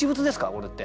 これって。